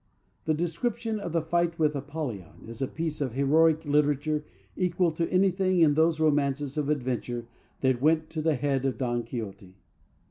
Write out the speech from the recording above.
The description of the fight with Apollyon is a piece of heroic literature equal to anything in those romances of adventure that went to the head of Don Quixote.